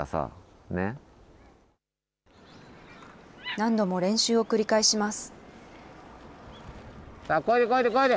何度も練習を繰り返します。